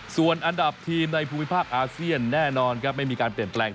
ส่วนอันดับทีมในภูมิภาคอาเซียนแน่นอนครับไม่มีการเปลี่ยนแปลง